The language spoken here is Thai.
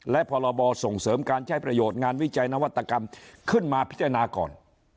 และพรบส่งเสริมการใช้ประโยชน์งานวิจัยนวัตกรรมขึ้นมาพิจารณาก่อน